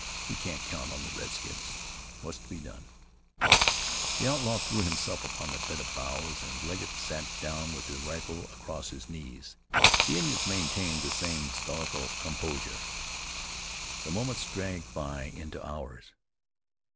We can't count on the redskins. What's to be done?" The outlaw threw himself upon the bed of boughs, and Legget sat down with his rifle across his knees. The Indians maintained the same stoical composure. The moments dragged by into hours.